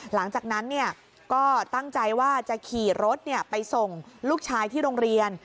หลังจากนั้นก็ตั้งใจว่าจะขี่รถไปส่งลูกชายที่โรงเรียน